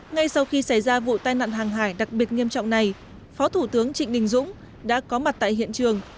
ngay sau khi xảy ra vụ tai nạn hàng hải đặc biệt nghiêm trọng này phó thủ tướng trịnh đình dũng đã có mặt tại hiện trường